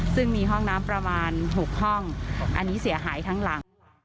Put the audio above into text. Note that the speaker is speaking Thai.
ซึ่งมีห้องน้ำประมาณ๖ห้องอันนี้เสียหายทั้งหลัง